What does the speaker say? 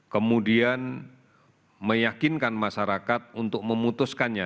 kemudian meyakinkan masyarakat untuk memutuskannya